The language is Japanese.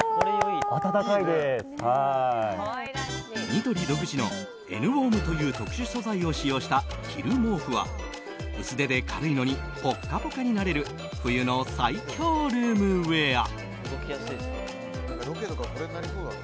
ニトリ独自のＮウォームという特殊素材を使用した着る毛布は薄手で軽いのにポッカポカになれる冬の最強ルームウェア。